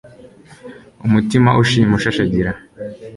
umutima ushima ushashagira